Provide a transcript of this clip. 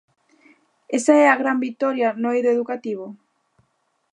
¿Esa é a gran vitoria no eido educativo?